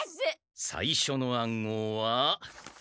さいしょの暗号はこれだ。